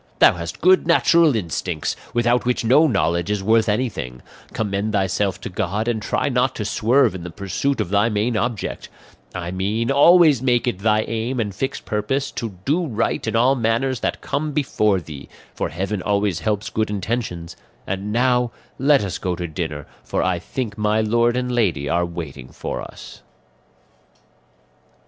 Thou hast good natural instincts, without which no knowledge is worth anything; commend thyself to God, and try not to swerve in the pursuit of thy main object; I mean, always make it thy aim and fixed purpose to do right in all matters that come before thee, for heaven always helps good intentions; and now let us go to dinner, for I think my lord and lady are waiting for us."